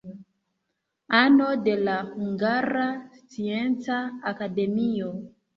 Ano de la Hungara Scienca Akademio.